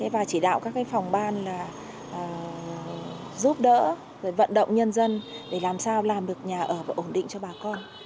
và chỉ đạo các phòng ban giúp đỡ vận động nhân dân để làm sao làm được nhà ở và ổn định cho bà con